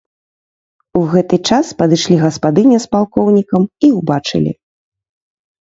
У гэты час падышлі гаспадыня з палкоўнікам і ўбачылі.